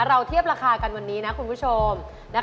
เทียบราคากันวันนี้นะคุณผู้ชม